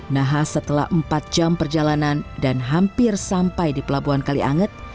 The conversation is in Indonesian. nahas setelah empat jam perjalanan dan hampir sampai di pelabuhan kalianget